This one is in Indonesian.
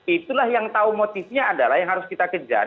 itulah yang tahu motifnya adalah yang harus kita kejar